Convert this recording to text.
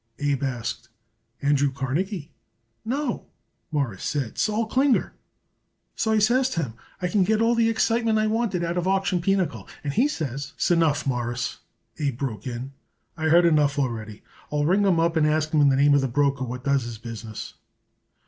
Abe asked. "Andrew Carnegie?" "No," Morris said; "Sol Klinger. So I says to him I could get all the excitement I wanted out of auction pinochle and he says " "S'enough, Mawruss," Abe broke in. "I heard enough already. I'll ring him up and ask him the name of the broker what does his business."